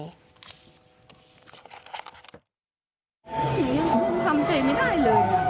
ทำใจไม่ได้เลย